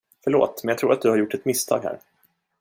Förlåt, men jag tror att du har gjort ett misstag här.